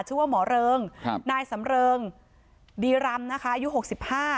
ชื่อว่าหมอเริงครับนายสำเริงดีรำนะคะอายุหกสิบห้า